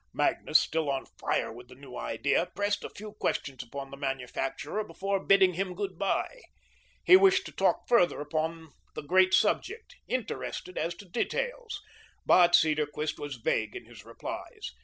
Magnus, still on fire with the new idea, pressed a few questions upon the manufacturer before bidding him good bye. He wished to talk further upon the great subject, interested as to details, but Cedarquist was vague in his replies.